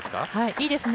いいですね。